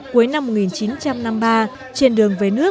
cuối năm một nghìn chín trăm năm mươi ba trên đường về nước